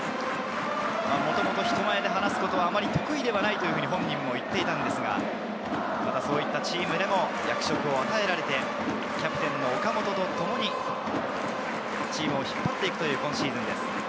もともと人前で話すことはあまり得意ではないと本人も言っていたのですが、チームでの役職を与えられて、キャプテンの岡本とともに、チームを引っ張っていく今シーズンです。